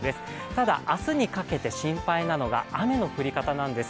ただ、明日にかけて心配なのが雨の降り方なんです。